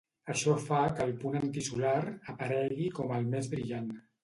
Això fa que el punt antisolar aparegui com el més brillant.